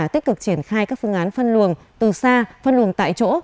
tích cực triển khai các phương án phân luồng từ xa phân luồng tại chỗ